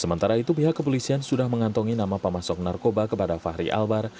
sementara itu pihak kepolisian sudah mengantongi nama pemasok narkoba kepada fahri albar